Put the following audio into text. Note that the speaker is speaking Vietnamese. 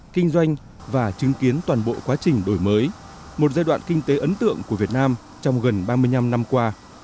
kinh doanh và chứng kiến toàn bộ quá trình đổi mới một giai đoạn kinh tế ấn tượng của việt nam trong gần ba mươi năm năm qua